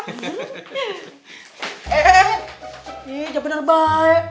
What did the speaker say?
eh jangan bener boy